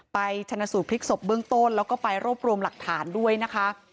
ชนะสูตรพลิกศพเบื้องต้นแล้วก็ไปรวบรวมหลักฐานด้วยนะคะ